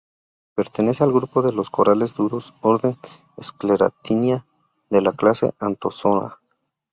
Pertenece al grupo de los corales duros, orden Scleractinia, de la clase Anthozoa.